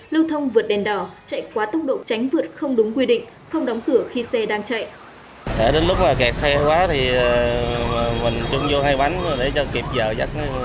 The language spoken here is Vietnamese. lưu thông vượt đèn đỏ chạy quá tốc độ tránh vượt không đúng quy định không đóng cửa khi xe đang chạy